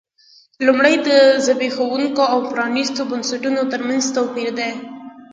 لومړی د زبېښونکو او پرانیستو بنسټونو ترمنځ توپیر دی.